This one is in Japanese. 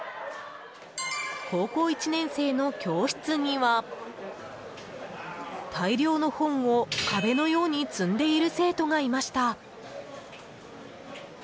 高校１年生の教室には大量の本を壁のように積んでいる生徒がいました。